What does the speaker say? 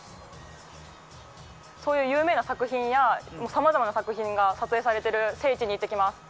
そういう有名な作品やさまざまな作品が撮影されている聖地に行ってきます。